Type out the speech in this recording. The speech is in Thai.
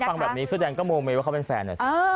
ถ้าฟังแบบนี้เสื้อแดงก็มองไว้ว่าเขาเป็นแฟนอ่ะ